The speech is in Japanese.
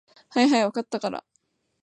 はいはい、分かったから。